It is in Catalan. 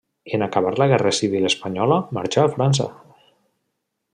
En acabar la guerra civil espanyola marxà a França.